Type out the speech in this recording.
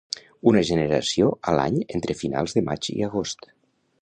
Una generació a l'any entre finals de maig i agost.